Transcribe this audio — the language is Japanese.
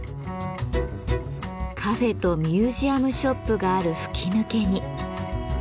カフェとミュージアムショップがある吹き抜けに。